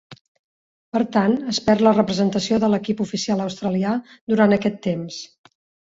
Per tant, es perd la representació de l'equip oficial australià durant aquest temps.